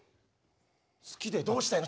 好きでどうしたいの？